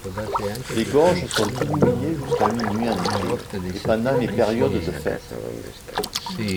Les gorges sont illuminées jusqu'à minuit en été et pendant les périodes de fêtes.